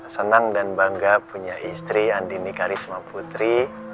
senang dan bangga punya istri andini karisma putri